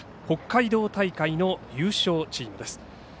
北海道大会の優勝チームです。